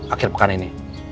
akhir pekan ini